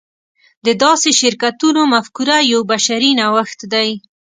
د داسې شرکتونو مفکوره یو بشري نوښت دی.